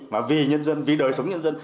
mà vì nhân dân vì đời sống nhân dân